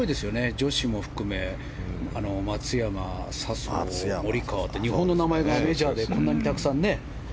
女子も含め松山、笹生、モリカワって日本の名前がメジャーでこんなにたくさんね。